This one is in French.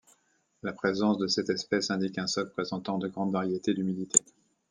La présence de cette espèce indique un sol présentant de grandes variétés d'humidité.